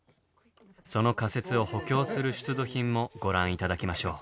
その仮説を補強する出土品もご覧頂きましょう。